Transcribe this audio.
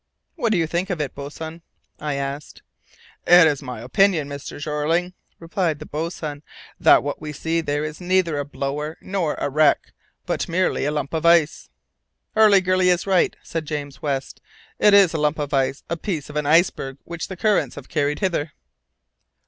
"What do you think of it, boatswain?" I asked. "It is my opinion, Mr. Jeorling," replied the boatswain, "that what we see there is neither a blower nor a wreck, but merely a lump of ice." "Hurliguerly is right," said James West; "it is a lump of ice, a piece of an iceberg which the currents have carried hither."